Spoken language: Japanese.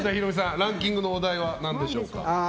ランキングのお題は何でしょうか。